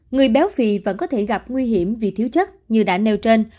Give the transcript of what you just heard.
người béo phì vẫn có thể gặp nguy hiểm vì thiếu chất như đã nêu trên